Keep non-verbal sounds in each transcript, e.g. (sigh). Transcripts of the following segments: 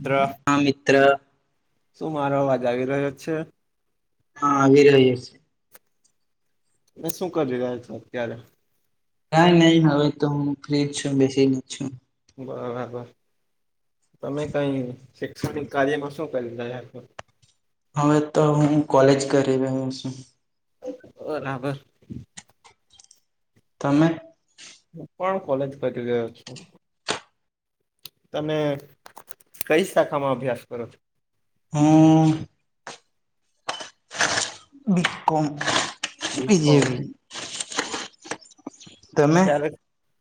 મિત્ર હ મિત્ર. શું મારો અવાજ આવી રહ્યો છે. હા આવીવેર જ છે. મે શું કરી રહ્યા છે અત્યારે. ના નહી હવે તો હું ફ્રી જ છું બેસીને છું. બરાબર તમે કઈ શિકષણિક કાર્યમાં શું કરીધા યાર. હવે તો હું કોલેજ કર હું. બરાબર. તમે. હું પણ કોલેજ કરી ગયો છું. તમે કઈ શાખામાં અભ્યાસ કરો છો. હ (unintelligible) વિકોમ બીકોમ વિજય. તમે ત્યારે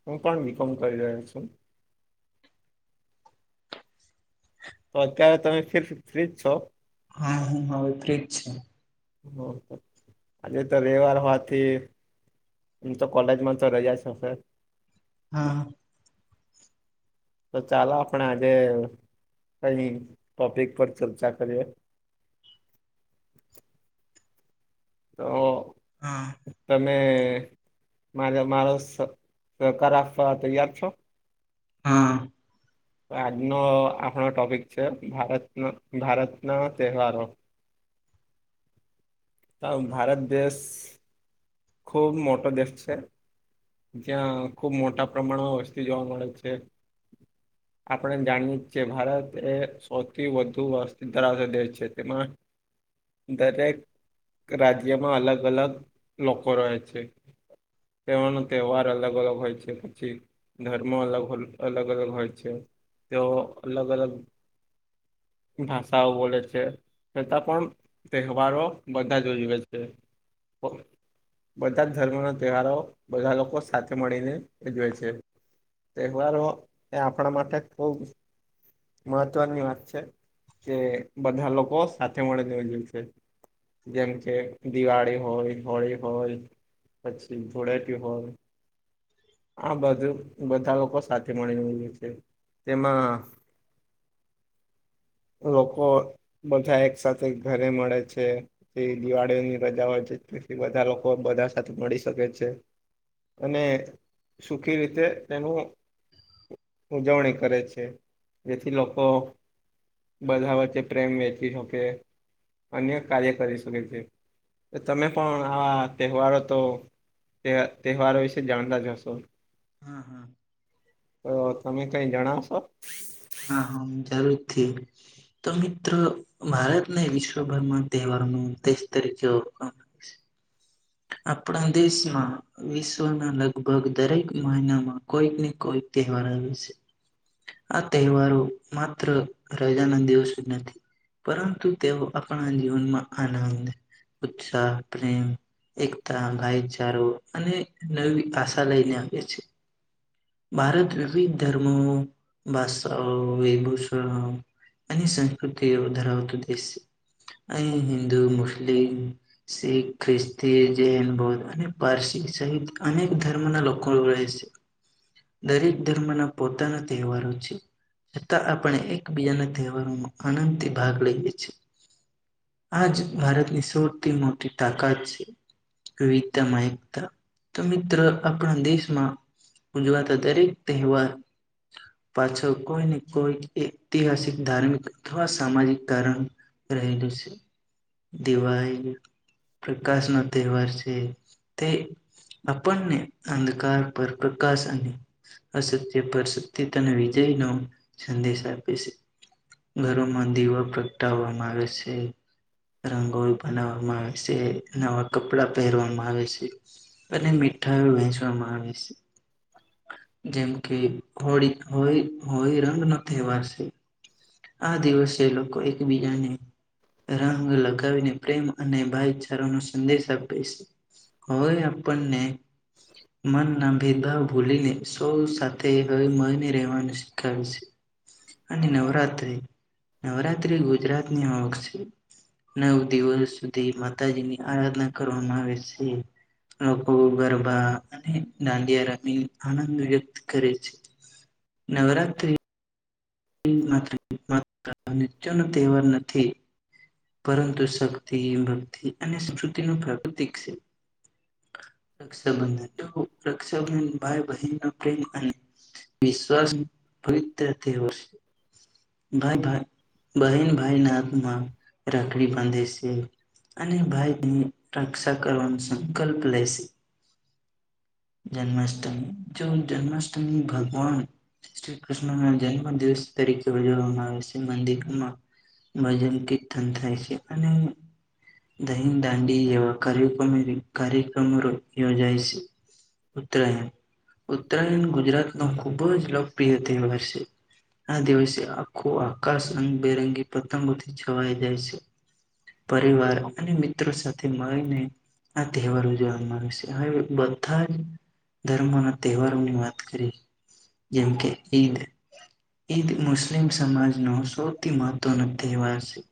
હું પણ બીકોમ કરી રહ્યો છું. તો અત્યારે તમે ફર ફ્રીજ છો. હા હા હવે ફ્રીજ છે. હ આજે તો રવવાર હોવાથી. તમ તો કોલેજમાં તો રજા છે સર. હા. તો ચાલો આપણે આજે કઈ ટોપિક પર ચર્ચા કરીએ. તો. હા. તમે મારે મારો સહકાર આપવા તૈયાર છો. હા. આજનો આપણો ટોપિક છે ભારત ભારત ના તહેવારો. તો ભારત દેશ. ખૂબ મોટો દેશ છે. જ્યાં ખુબ મોટા પ્રમાણમાં વસ્તી જોવા મળે છે. આપણે જાણીએ જ છીએ ભારત એ સૌથી વધુ વસ્ ધરાવતા દેશ છે તેમાં. દરેક રાજ્યમાં અલગ અલગ લોકો રહે છે. તેવાનો તહેવાર અલગ અલગ હોય છે પછી. ધર્મો અલગ અલગ અલગ હોય છે તે અલગ અલગ. ભાષાઓ બોલે છે છતાં પણ. તહેવારો બધા જોઈવે છે. બધા જ ધર્મ ના તહેવારો બધા લોકો સાથે મળીને ઉજવે છે. તહેવારો એ આપણા માટે ખુબ. મહત્વની વાત છે કે બધા લોકો સાથે મળે દવા જો છે. જેમ કે દિવાળી હોય હોળી. હોય પછી થોડાપ હોય. આ બધું બધા લોકો સાથે મળીું છે તેમાં. લોકોકો. બધા એક સાથેથ ઘરે મળે છે દિવાળીની રજા હોય છે બધા લોકો બધા સાથે મળી શકે છે. અને સુખી રીતે તેનું. ઉજવણી કરે છે જેથી લોકો. બધા વચ્ચે પ્રેમ વેચી શકે. અન્ય કાર્ય કરી શકે છે તમે પણ. હા, તહેવારો તો, ત તહેવારો વિશે જાણતા જ હશો. હા હા અહ તમે કઈ જણાવશો? હા, હા જરૂરથી. તો મિત્ર, ભારતને વિશ્વભરમાં તહેવારનું દેશ તરીકે ઓ આપણા દેશમાં વિશ્વના લગભગ દરેક મહિનામાં કોઈક ને કોઈક તહેવાર આવે સે. આ તહેવારો માત્ર રજાના દિવસો જ નથી. પરંતુ તેઓ આપણા જીવનમાં આનંદ, ઉત્સાહ, પ્રેમ એકતા, ભાઈચારો અને નવી આશા લઈને આવે છે. ભારત વિવિધ ધર્મો, ભાષાઓ, વિભૂષણ અને સંસ્કૃતિઓ ધરાવતો દેશ છે. અહીં હિન્દુ, મુસ્લિમ શીખ, ખ્રિસ્તી, જૈન, બૌદ્ધ અને પારસી સહિત અનેક ધર્મના લોકો રહે સે. દરેક ધર્મના પોતાના તહેવારો છે. છતાં આપણે એકબીજાના તહેવારોમાં આનંદથી ભાગ લઈએે છીએ. આજ ભારતની સૌથી મોટી તાકાત છે. વિવિધતામાં એકતા તો મિત્ર આપણા દેશમાં ઉજવાતા દરેક તહેવાર પાછળ કોઈને કોઈક ઐતિહાસિક ધાર્મિક અથવા સામાજિક ધારણ રહેલું સે. દિવાળી પ્રકાશ નો તહેવાર છે. તે આપનને અંધકાર પર (unintelligible) વિકાસ, અને અસત્ય પર સત્યતા અને વિજય નો સંદેશ આપે છે. ઘરોમાં દીવા પ્રગટાવવામાં આવે છે. રંગોળી બનાવવામાં આવે છે, નવા કપડા પહેરવામાં આવે છે. અને મીઠાઈઓ વહેંચવામાં આવે સ. જેમ કે હોળી, હોય હોળી રંગનો તહેવાર સે. આ દિવસે લોકો એકબીજાને રંગ લગાવીને પ્રેમ અને ભાઈચારા નો સંદેશ આપે સ. હોય આપણને મન ના ભેદભાવ ભૂલીને સૌ સાથે હળી મળીને રહેવાનું શીખવે છે. અને નવરાત્રી, નવરાત્રી ગુજરાત ની આવક છે. નવ દિવસ સુધી માતાજી ની આરાધના કરવામાં આવે છે. લોકો ગરબા અને દાંડિયા રમી આનંદ વ્યક્ત કરે છે. નવરાત્રી નીચ માત્ર (unintelligible) નૃત્યનો તહેવાર નથી. પરંતુ શક્તિ, ભક્તિ અને સંસ્કૃતિનું પ્રાકૃતિક સે. રક્ષાબંધન. (unintelligible) રક્ષાબંધન ભાઈ બહેનનો પ્રેમ અને વિશ્વાસ (unintelligible) પવિત્ર તહેવાર સે. ભાઈ-ભાઈ, બહેન ભાઈના હાથમાં રાખડી બાંધે છે. અને ભાઈ ની રક્ષા કરવાનો સંકલ્પ લેશે. જન્માષ્ટમી. જો જન્માષ્ટમી ભગવાન શ્રી કૃષ્ણ ના જન્મ દિવસ તરીકે ઉજવવામાં આવે છે. મંદિરમાં ભજન, કીર્તન થાય છે, અને દહીન દાંડી જેવા કાર્યક્રમ કાર્યક્રમો યોજાય છે. ઉત્તરાયણ. ઉત્તરાયણ ગુજરાતનો ખૂબ જ લોકપ્રિય તહેવાર છે. આ દિવસે આખો આકાશ રંગબેરંગી પતંગોથી છવાઈ જાય છે. પરિવાર અપને મિત્ર સાથે મળીને આ તહેવાર ઉજવવા માં આવે સે. હવે બધા જ ધર્મો ના તહેવારોની વાત કરી. જેમ કે ઈદ. ઈદ મુસ્લિમ સમાજ નો સૌથી મહત્વનો તહેવાર છે.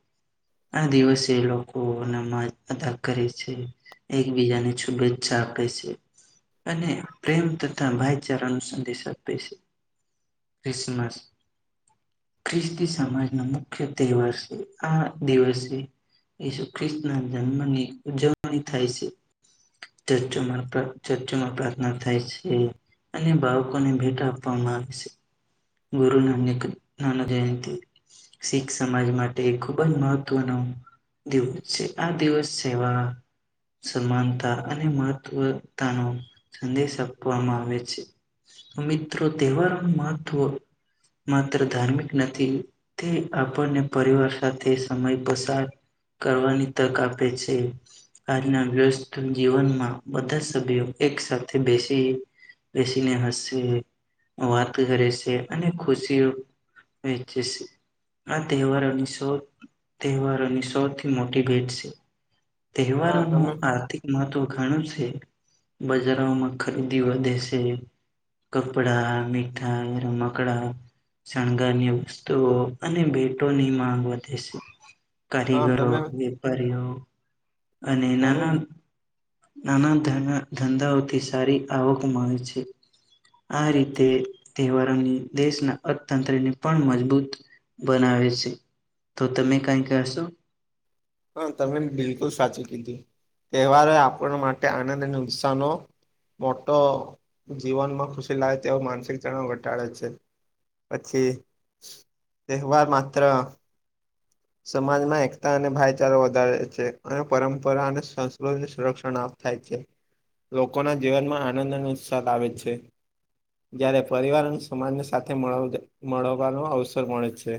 આ દિવસે લોકો નામાંજ અદા કરે છે. એકબીજાની શુભેષા આપે છે, અને પ્રેમ તથા ભાઈચારા ન સંદેશ આપે છે. ક્રિસમસ. ખ્રિસ્તી સમાજનો મુખ્ય તહેવાર છે આ. દિવસે ઈશુ ખ્રિસ્તી ના જન્મની ઉજવણી થાય છે. ચર્ચોમાં ચર્ચોમાં પ્રાર્થના થાય છે. અને બાળકોને ભેટ આપવામાં આવે છે. ગુરુ નાનક નાનક જયંતિ. શીખ સમાજ માટે ખુબ જ મહત્વનો. દિવસ છે આ દિવસ છેવા. સમાનતા અને મહત્વતા ન સંદેશ આપવામાં આવે છે. તો મિત્રો તહેવારો નુ મહત્વ માત્ર ધાર્મિક નથી, તે આપણને પરિવાર સાથે સમય પસાર. કરવાની તક આપે છે. (inaudible) ના વ્યસ્ત જીવનમાં બધા સભ્યો એક સાથે બેસી બેસીને હસે વાત કરે છે, અને ખુશી વેચે છે, આ તહેવારોની સૌ તહેવારોની સૌથી મોટી ભેટ છે. હા તમે તહેવારોનું આર્થીક મા તો ઘણું છે, બજારોમાં ખરીદી વધે છે. કપડા મીઠાઈ રમકડા શણગારની વસ્તુઓ અને ભેટોની માંગ વધે છે. હા કારીગરો તમે વેપારીઓ અને તમે નાના નાના ધ ધંધાઓથી સારી આવક મા આવે છે, આ રીતે તહેવારોની દેશના અર્થતંત્રને પણ મજબૂત, બનાવે છે, તો તમે કાઈ કરશો હ તમે બિલકુલ સાચું કીધું તહેવારો આપણા માટે આનંદ અને ઉત્સાહનો મોટો જીવનમાં ખુશી લાવે તેવો માનસિક તનાવ ઘટાડે છે. પછી તહેવાર માત્ર સમાજમાં એકતા અને ભાઈચારો વધારે છે, અને પરંપરા અને સંસ્કૃતિ સંરક્ષણ આપ થાય છે, લોકોના જીવનમાં આનંદ અને ઉત્સાહ આવે છે જયારે પરિવાર અને સમાજને સાથે મળવાનો અવસર મળે છે,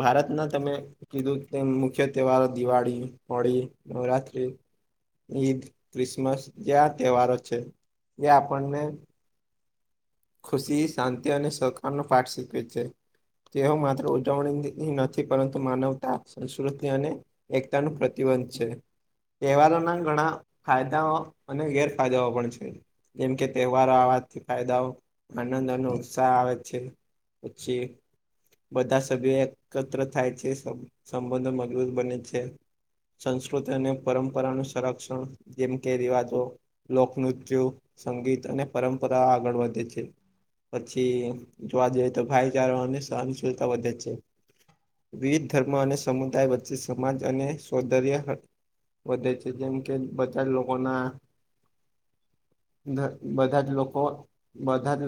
ભારતના તમે કીધું તેમ મુખ્ય તહેવારો દિવાળી હોળી નવરાત્રી ઈદ ક્રિસમસ જે તહેવારો છે, એ આપણને ખુશી શાંતિ અને સહકાર નો પાઠ શીખવે છે. તેઓ માત્ર ઉજવણી નથી, પરંતુ માનવતા સંસ્કૃતિ અને એકતા નુ પ્રતિબંધ છે, તહેવારોના ઘણા ફાયદાઓ અને ગેરફાયદાઓ પણ છે, જેમ કે તહેવારો આવાથી ફાયદાઓ આનંદ અને ઉત્સાહ આવે છે, પછી બધા સભ્યો એકત્ર થાય છે, સંબંધો મજબૂત બને છે, સંસ્કૃતિ અને પરંપરાનું સંરક્ષણ જેમ કે રિવાજો લોકનૃત્ય, સંગીત અને પરંપરા આગળ વધે છે, પછી જોવા જઈએ તો ભાઈચારો સહનશીલતા વધે જ છે, વિવિધ ધર્મ અને સમુદાય વચ્ચે સમાજ અને સૌંદર્ય વધે છે, જેમ કે બધા લોકો ના બધા જ લોકો બધા જ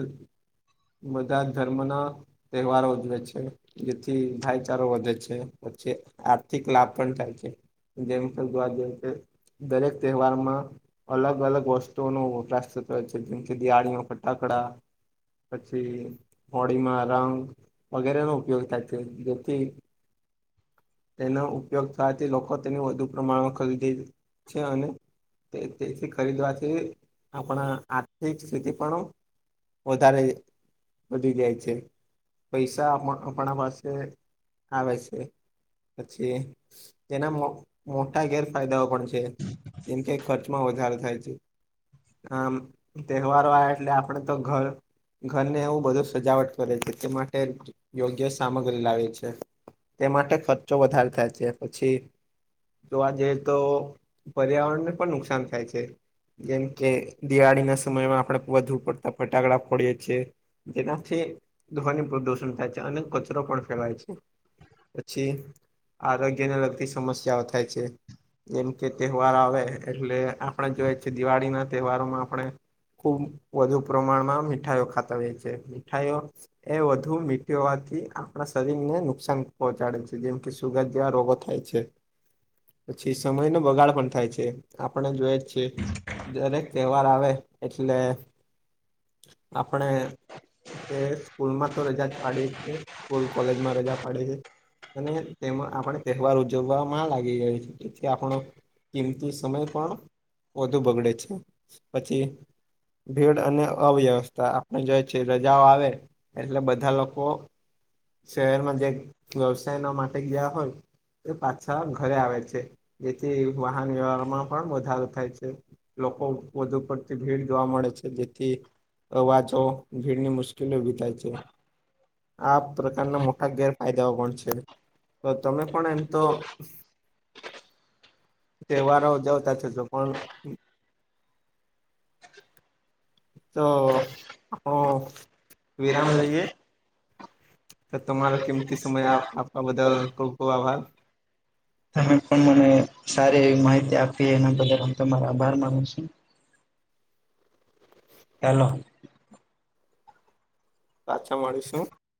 બધા ધર્મ ના તહેવારો ઉજવે છે. જેથી ભાઈચારો વધે છે પછી આર્થિક લાભ પણ થાય છે. જેમ ખલતોવા જે છે (unintelligible) દરેક તહેવારમાં અલગ અલગ વસ્તુઓનો વપરાશ થતો હોય છે જેમ કે દિવાળીઓ ફટાકડા પછી હોડીમાં રંગ વગેરે ન ઉપયોગ થાય છે જેથી તેનો ઉપયોગ થવાથી લોકો તેને વધુ પ્રમાણમાં ખરીદે છે અને તેથી ખરીદવાથી આપણા આર્થિક સ્થિતિ પણ વધારે વધી જાય છે પૈસા આપણા પાસે આવે છે. પછી જેના મોટા ગેરફાયદાઓ પણ છે જેમ કે ખર્ચમાં વધારે થાય છે. આમ તહેવારો આવે એટલે આપડે તો ઘર ઘરને એવું બધું સજાવટ કરે છે, તે માટે યોગ્ય સામગ્રી લાવે છે. તે માટે ખર્ચો વધારે થાય છે પછી જોવા જઈએ તો પર્યાવરણ ને પણ નુકસાન થાય છે. જેમ કે દિવાળી ના સમયમાં આપણે વધુ પડતા ફટાકડા ફોડીએ છીએ. જેનાથી ધવ્ની પ્રદુષણ થાય છે અને કચરો પણ ફેલાય છે. પછી આરોગ્યને લગતી સમસ્યાઓ થાય છે. જેમ કે તહેવાર આવે એટલે આપણે જોઈ છીએ દિવાળી ના તહેવારોમાં આપણે ખુબ વધુ પ્રમાણમાં મીઠાઈઓ ખાતા હોય છે, મીઠાઈઓ એ વધુ મીઠુ હોવાથી આપણા શરીરને નુકસાન પહોંચાડે છે જેમ કે સુગર જેવા રોગો થાય છે. પછી સમય નો બગાડ પણ થાય છે. આપણે જોઈએજ છીએ દરેક તહેવાર આવે એટલે આપણે સ્કૂલ માં તો રજા જ પાડી છે સ્કૂલ કોલેજમાં રજા પાડે છે અને તેમાં આપણે તહેવાર ઉજવવા લાગી જાય છી જેથી આપણો કિંમતી સમય પણ વધુ બગડે છે પછી ભીડ અને અવ્યવસ્થા આપણે જોઈએ છે રજાઓ આવે એટલે બધા લોકો શહેરમાં જે વ્યવસાયના માટે ગયા હોય એ પાછા ઘરે આવે છે જેથી વાહન વ્યવહારમાં પણ વધારો થાય છે. લોકો વધુ પડતી ભીડ જોવા મળે છે જેથી અવાજો ભીડની મુશ્કેલી ઊભી થાય છે આપ પ્રકારના મોટા ગેરફાયદાઓ પણ છે તો તમે પણ એમ તો તહેવારો ઊજવતા હોય પણ તો હ વિરામ લઈએ તો તમારો કિંમતી સમય આપવા બદલ ખુબ ખુબ આભાર તમે પણ મને સારી એવી માહિતી આપી એના બદલ હુ તમારો આભાર માનું છું. એલો. પાછા મળીશું.